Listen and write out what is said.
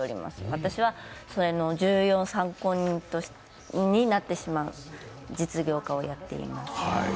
私はそれの重要参考人になってしまう実業家をやっています。